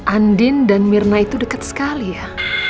andin dan mirna itu dekat sekali ya